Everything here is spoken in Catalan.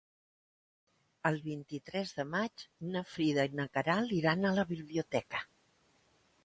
El vint-i-tres de maig na Frida i na Queralt iran a la biblioteca.